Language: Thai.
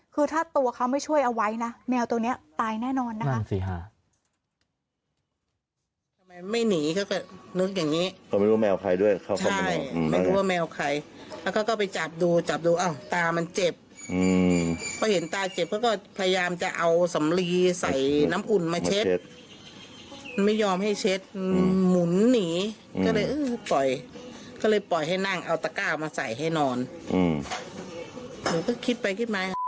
คือถ้าตัวเขาไม่ช่วยเอาไว้นะแมวตัวนี้ตายแน่นอนนะคะ